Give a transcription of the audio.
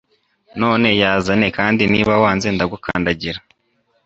none yazane kandi niba wanze ndagukandagira